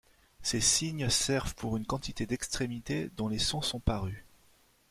Ces signes servent pour une quantité d'extrémités dont les sons sont parus.